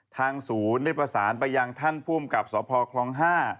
ทางศูนย์ได้ประสานไปยังท่านผู้อำกับสถานีภูทรครอง๕